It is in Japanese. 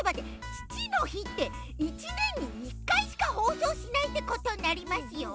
ちちのひって１ねんに１かいしかほうそうしないってことになりますよ。